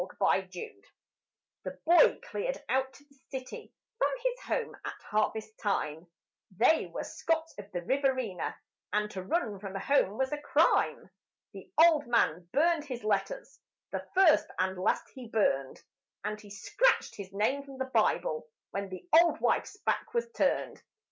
9 Autoplay The boy cleared out to the city from his home at harvest time They were Scots of the Riverina, and to run from home was a crime. The old man burned his letters, the first and last he burned, And he scratched his name from the Bible when the old wife's back was turned.